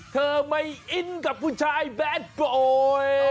เธอไม่อินกับผู้ชายแบดโกย